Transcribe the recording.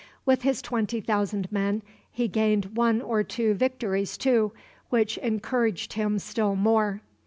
With his twenty thousand men he gained one or two victories too, which encouraged him still more.